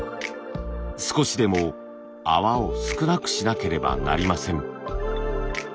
少しでも泡を少なくしなければなりません。